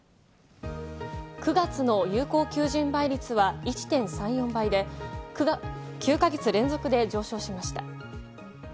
９月の有効求人倍率は１．３４倍で、９か月連続で上昇しました。